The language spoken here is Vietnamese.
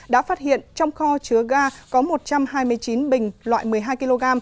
đã phát hiện trong kho chứa ga có một trăm hai mươi chín bình loại một mươi hai kg